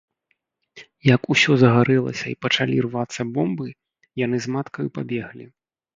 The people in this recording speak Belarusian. Як усё загарэлася і пачалі рвацца бомбы, яны з маткаю пабеглі.